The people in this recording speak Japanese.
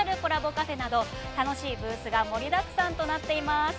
カフェなど楽しいブースが盛りだくさんとなっています。